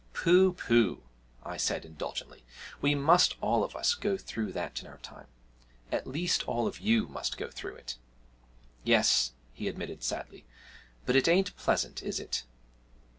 'Pooh, pooh!' I said indulgently, 'we must all of us go through that in our time at least all of you must go through it.' 'Yes,' he admitted sadly, 'but it ain't pleasant, is it?'